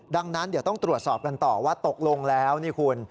ดังนั้นเดี๋ยวต้องตรวจสอบกันต่อว่าตกลงแล้วนี่คุณ